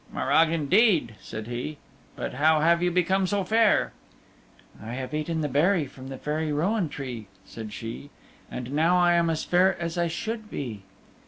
"Morag indeed," said he, "but how have you become so fair?" "I have eaten the berry from the Fairy Rowan Tree," said she, "and now I am as fair as I should be."